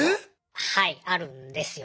はいあるんですよ。